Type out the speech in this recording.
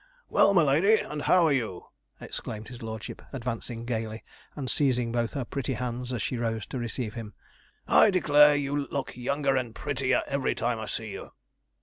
'Well, my lady, and how are you?' exclaimed his lordship, advancing gaily, and seizing both her pretty hands as she rose to receive him. 'I declare, you look younger and prettier every time I see you.'